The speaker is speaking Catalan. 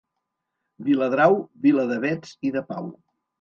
Viladrau, vila d'avets i de pau.